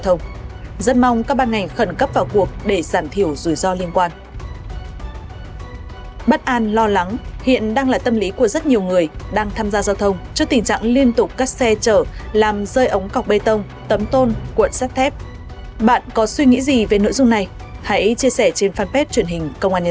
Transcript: hãy chia sẻ trên fanpage truyền hình công an nhân dân